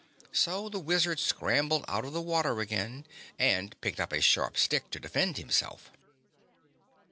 So the Wizard scrambled out of the water again and picked up a sharp stick to defend himself.